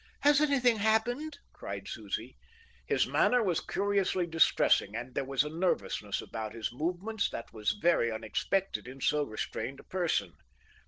"Has anything happened?" cried Susie. His manner was curiously distressing, and there was a nervousness about his movements that was very unexpected in so restrained a person.